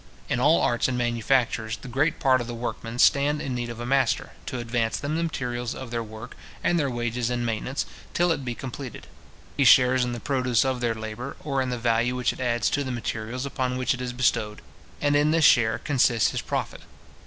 In all arts and manufactures, the greater part of the workmen stand in need of a master, to advance them the materials of their work, and their wages and maintenance, till it be completed. He shares in the produce of their labour, or in the value which it adds to the materials upon which it is bestowed; and in this share consists his profit.